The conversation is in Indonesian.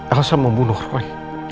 elsa membunuh roy